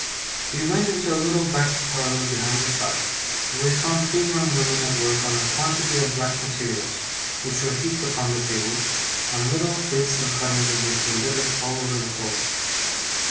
We went into a little back parlour behind the shop, where we found three young women at work on a quantity of black materials, which were heaped upon the table, and little bits and cuttings of which were littered all over the floor.